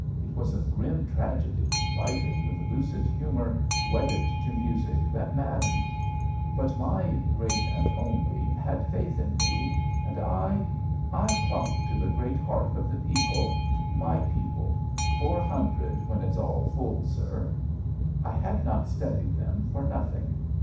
It was a grim tragedy, lighted with lucid humour, wedded to music that maddened. But my Great and Only '' had faith in me, and I— I clung to the Great Heart of the People— my people — ^four hundred when it's all full, sir." I had not studied them for nothing.